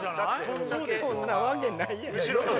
そんなわけないやん！